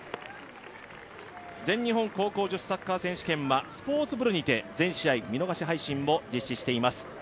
全日本高校女子サッカー選手権はスポーツブルにて全試合、見逃し配信をしています。